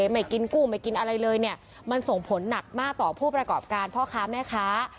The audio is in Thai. ไม่ตายกินกุ่มอะไรเลยมันส่งผลหนักมากต่อผู้ประกอบการพ่อค้าแม่ค้า